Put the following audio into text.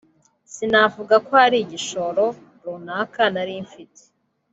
sinavuga ko hari igishoro runaka nari mfite